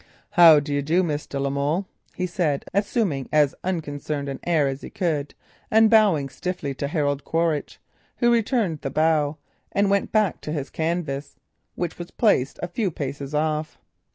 "How do you do, Miss de la Molle?" he said, assuming as unconcerned an air as he could, and bowing stiffly to Harold Quaritch, who returned the bow and went back to his canvas, which was placed a few paces off.